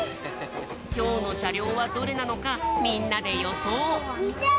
きょうのしゃりょうはどれなのかみんなでよそう。